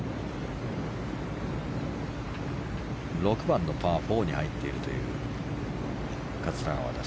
６番のパー４に入っているという桂川。